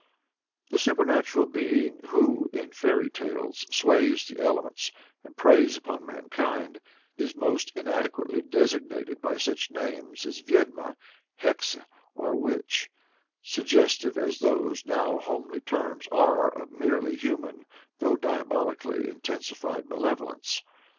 The supernatural being who, in folk tales, sways the elements and preys upon mankind, is most inadequately designated by such names as Vyed'ma, Hexe, or Witch, suggestive as those now homely terms are of merely human, though diabolically intensified malevolence.